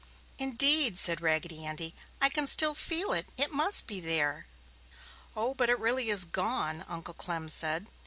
"Indeed!" said Raggedy Andy. "I can still feel it! It must be there!" "Oh, but it really is gone!" Uncle Clem said.